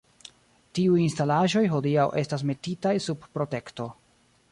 Tiuj instalaĵoj hodiaŭ estas metitaj sub protekto.